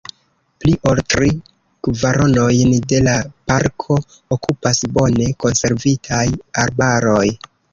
Pli ol tri kvaronojn de la parko okupas bone konservitaj arbaroj.